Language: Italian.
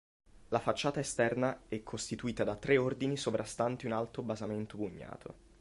La facciata esterna è costituita da tre ordini sovrastanti un alto basamento bugnato.